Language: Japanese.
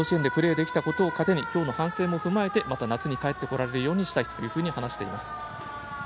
甲子園でプレーできたことを糧にきょうの反省もふまえて夏に帰ってこれるようにしたいと話しています。